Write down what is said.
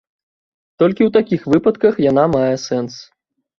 Толькі ў такіх выпадках яна мае сэнс.